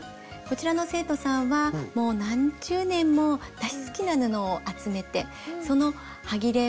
こちらの生徒さんはもう何十年も大好きな布を集めてそのはぎれを今回思い切って使いました。